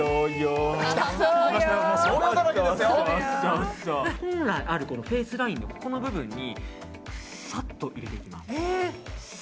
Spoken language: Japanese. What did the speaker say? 本来あるフェースラインのこの部分にさっと入れていきます。